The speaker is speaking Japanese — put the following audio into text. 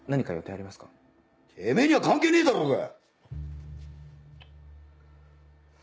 てめぇには関係ねえだろうが！